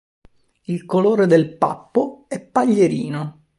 Il colore del pappo è paglierino.